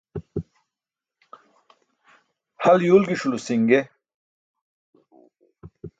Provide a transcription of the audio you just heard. Hal yuwlġiṣulo si̇nge.